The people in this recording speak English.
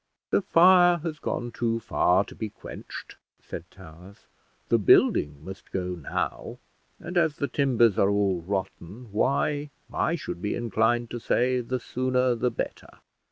"The fire has gone too far to be quenched," said Towers; "the building must go now; and as the timbers are all rotten, why, I should be inclined to say, the sooner the better.